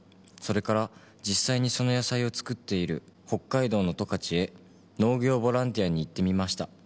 「それから実際にその野菜を作っている北海道の十勝へ農業ボランティアに行ってみました」